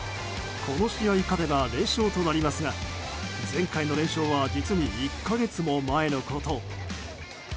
この試合勝てば連勝となりますが前回の連勝は実に１か月も前のこと。